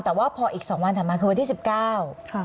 แต่ว่าพออีกสองวันถัดมาคือวันที่สิบเก้าค่ะ